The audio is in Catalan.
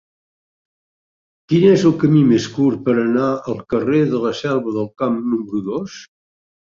Quin és el camí més curt per anar al carrer de la Selva del Camp número dos?